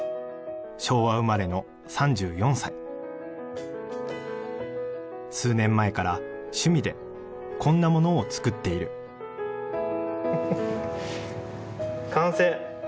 昭和生まれの３４歳数年前から趣味でこんなものを作っている完成。